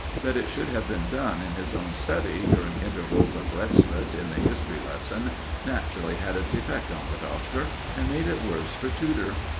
That it should have been done in his own study, during intervals of respite in the history lesson, naturally had its effect on the Doctor, and made it worse for Tudor.